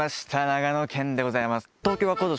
長野県でございます。